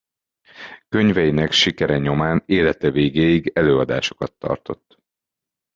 Könyveinek sikere nyomán élete végéig előadásokat tartott.